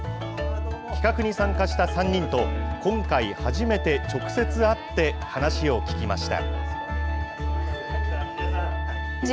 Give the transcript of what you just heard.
企画に参加した３人と、今回初めて直接会って話を聞きました。